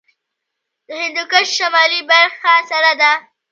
د هندوکش شمالي برخه سړه ده